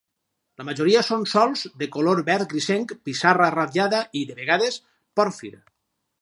La majoria són sòls de color verd grisenc, pissarra ratllada i, de vegades, pòrfir.